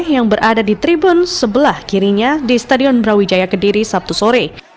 yang berada di tribun sebelah kirinya di stadion brawijaya kediri sabtu sore